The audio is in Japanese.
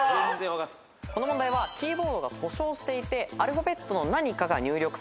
この問題はキーボードが故障していてアルファベットの何かが入力されていない。